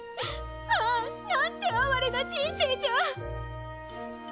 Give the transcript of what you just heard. ああ何て哀れな人生じゃ。